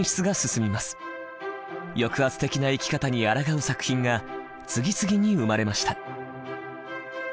抑圧的な生き方にあらがう作品が次々に生まれました。